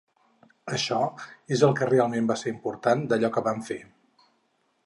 Això és el que realment va ser important, d’allò que vam fer.